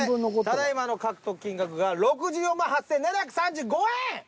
ただいまの獲得金額が６４８，７３５円！